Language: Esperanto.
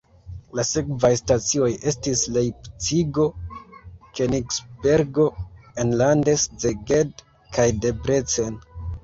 La sekvaj stacioj estis Lejpcigo, Kenigsbergo, enlande Szeged kaj Debrecen.